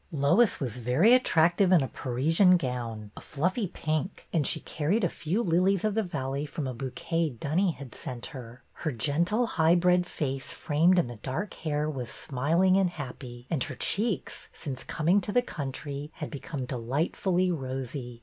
Lois was very attractive in a Parisian gown, a fluffy pink, and she carried a few lilies of the valley from a bouquet Dunny had sent her. Her gentle, highbred face framed in the dark hair was smiling and happy, and her cheeks, since coming to the country, had become delightfully rosy.